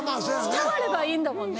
伝わればいいんだもんね。